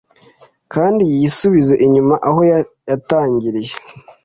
Kandi yisubize inyuma aho yatangiriye